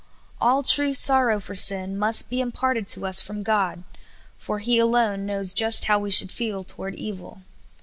Alyly true sorrow for sin must be imparted to us from God, for He alone knows just how we should feel toward evil.